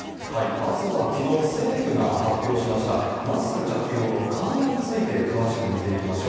まずはきのう、政府が発表しました、マスク着用の緩和について、詳しく見ていきましょう。